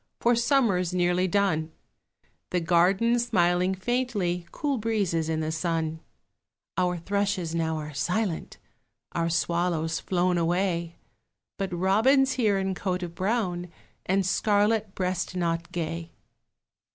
For Summer's nearly done; The garden smiling faintly, Cool breezes in the sun; Our thrushes now are silent, Our swallows flown away, But Robin's here in coat of brown, And scarlet breast knot gay.